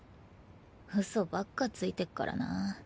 嘘ばっかついてっからなぁ。